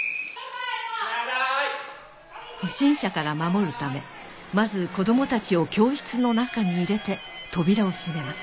不審者から守るためまず子どもたちを教室の中に入れて扉を閉めます